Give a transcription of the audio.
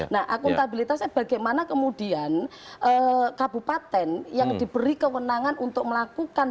nah akuntabilitasnya bagaimana kemudian kabupaten yang diberi kewenangan untuk melakukan